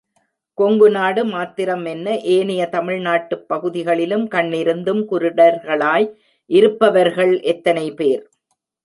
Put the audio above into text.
கொங்கு நாடு மாத்திரம் என்ன, ஏனைய தமிழ்நாட்டுப் பகுதிகளிலும் கண்ணிருந்தும் குருடர்களாய் இருப்பவர்கள் எத்தனை பேர்?